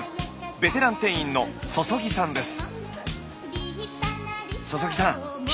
ベテラン店員の淋さんです。